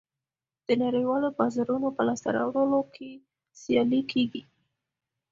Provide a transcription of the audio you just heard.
د نړیوالو بازارونو په لاسته راوړلو کې سیالي کېږي